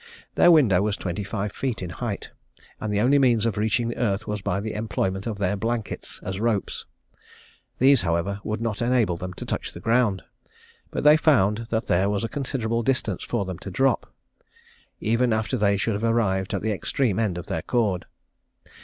Their window was twenty five feet in height, and the only means of reaching the earth was by the employment of their blankets as ropes. These, however, would not enable them to touch the ground; but they found that there was a considerable distance for them to drop, even after they should have arrived at the extreme end of their cord.